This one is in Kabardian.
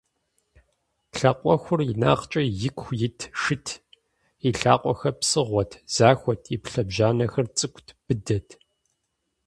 Лъакъуэхур инагъкӀэ ику ит шыт: и лъакъуэхэр псыгъуэт, захуэт, и лъэбжьанэхэр цӀыкӀут, быдэт.